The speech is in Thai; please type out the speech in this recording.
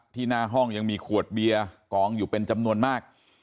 หน้าห้องยังมีขวดเบียร์กองอยู่เป็นจำนวนมาก